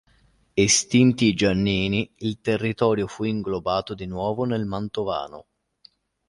Estinti i Giannini, il territorio fu inglobato di nuovo nel mantovano.